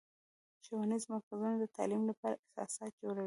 ښوونیز مرکزونه د تعلیم لپاره اساسات جوړوي.